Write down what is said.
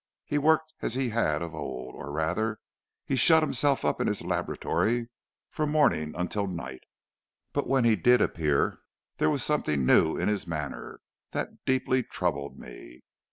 He worked as he had of old, or rather he shut himself up in his laboratory from morning until night, but when he did appear, there was something new in his manner that deeply troubled me.